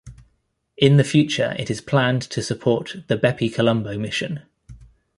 In the future it is planned to support the BepiColombo mission.